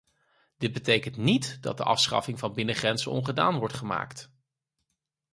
Dit betekent niet dat de afschaffing van de binnengrenzen ongedaan wordt gemaakt.